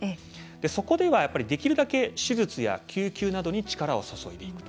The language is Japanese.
そこでは、できるだけ手術や救急などに力を注いでいる。